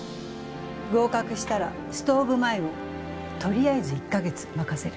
合格したらストーブ前をとりあえず１か月任せる。